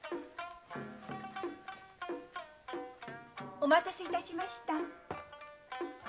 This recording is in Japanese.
お待たせいたしました。